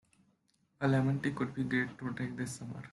A lemon tea could be great to drink this summer.